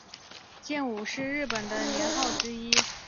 建武是日本的年号之一。